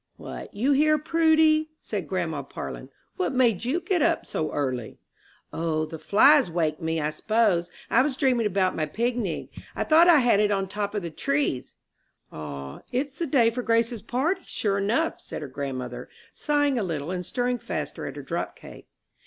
"What, you here, Prudy?" said grandma Parlin. "What made you get up so early?" "O, the flies waked me, I s'pose. I was dreaming about my pignig. I thought I had it on top o' the trees." "Ah, it's the day for Grace's party, sure enough," said her grandmother, sighing a little, and stirring faster at her drop cake.